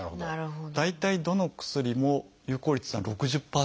大体どの薬も有効率っていうのは６０％ぐらい。